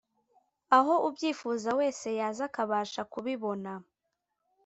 aho ubyifuza wese yaza akabasha kubibona